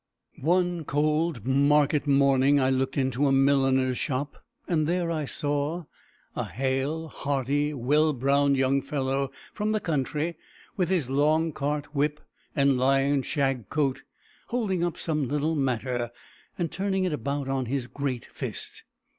One cold market morning I looked into a milliner's shop, and there I saw a hale, hearty, well browned young fellow from the country, with his long cart whip, and lion shag coat, holding up some little matter, and turning it about on his great fist.